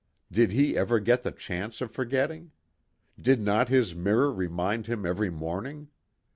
Did he ever get the chance of forgetting? Did not his mirror remind him every morning?